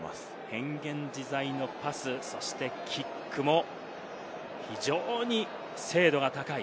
変幻自在のパス、そしてキックも非常に精度が高い。